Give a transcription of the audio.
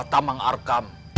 siapa tamang arkam